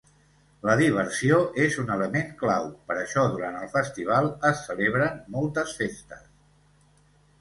La diversió és un element clau; per això, durant el festival es celebren moltes festes.